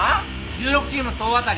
１６チーム総当たり